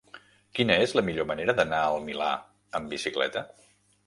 Quina és la millor manera d'anar al Milà amb bicicleta?